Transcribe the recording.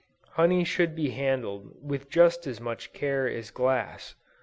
Honey should be handled with just as much care as glass.